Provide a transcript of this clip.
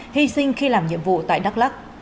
hy sinh khi làm nhiệm vụ tại đắk lắc